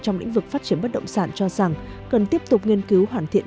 trong lĩnh vực phát triển bất động sản cho rằng cần tiếp tục nghiên cứu hoàn thiện